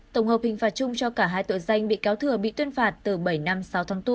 tổng hợp hình phạt chung cho cả hai tội danh bị cáo thừa bị tuyên phạt từ bảy năm sáu tháng tù